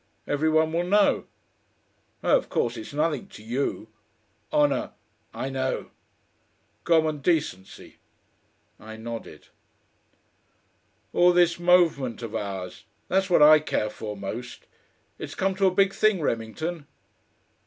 Every one will know. Oh! of course it's nothing to you. Honour " "I know." "Common decency." I nodded. "All this movement of ours. That's what I care for most.... It's come to be a big thing, Remington."